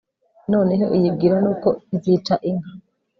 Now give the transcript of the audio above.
noneho iyibwira n'uko izica inka